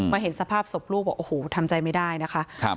เห็นสภาพศพลูกบอกโอ้โหทำใจไม่ได้นะคะ